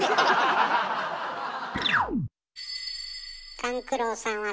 勘九郎さんはさ。